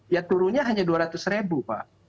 ya turunnya hanya dua ratus ribu pak